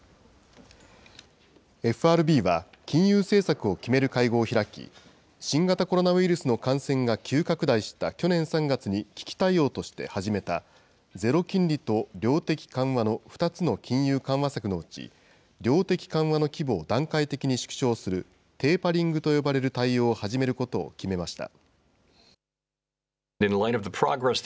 ＦＲＢは金融政策を決める会合を開き、新型コロナウイルスの感染が急拡大した去年３月に危機対応として始めた、ゼロ金利と量的緩和の２つの金融緩和策のうち、量的緩和の規模を段階的に縮小する、テーパリングと呼ばれる対応を始めることを決めました。